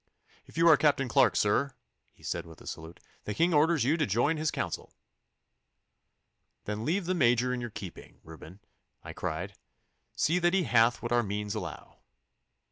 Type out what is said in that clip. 'If you are Captain Clarke, sir,' he said, with a salute, 'the King orders you to join his council.' 'Then I leave the Major in your keeping, Reuben,' I cried. 'See that he hath what our means allow.